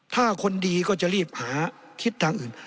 ถ้าคนดีก็จะรีบหาทิศทางอื่น